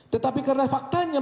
tetapi karena faktanya